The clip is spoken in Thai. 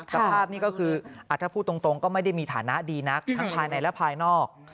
สภาพนี่ก็คือถ้าพูดตรงก็ไม่ได้มีฐานะดีนักทั้งภายในและภายนอก